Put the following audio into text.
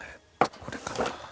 これかな。